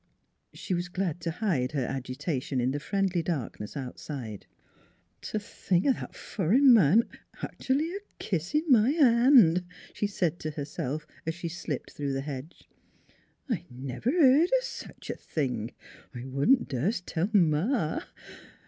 She was glad to hide her agitation in the friendly darkness outside. ' T' think o' that fur'n man actooally a kissin' my hand," she said to herself as she slipped through the hedge. " I never beared o' sech a thing! ... I wouldn't das t' tell Ma!